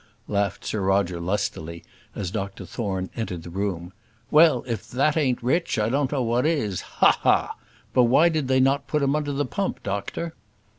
laughed Sir Roger, lustily, as Dr Thorne entered the room. "Well, if that ain't rich, I don't know what is. Ha! ha! ha! But why did they not put him under the pump, doctor?"